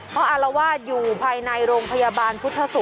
เขาอารวาสอยู่ภายในโรงพยาบาลพุทธศุ